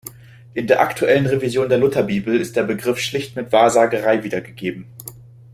In der aktuellen Revision der Lutherbibel ist der Begriff schlicht mit Wahrsagerei wiedergegeben.